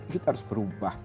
kita harus berubah